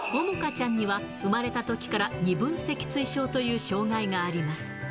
ちゃんには、生まれたときから二分脊椎症という障がいがあります。